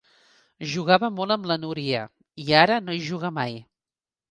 Jugava molt amb la Núria, i ara no hi juga mai.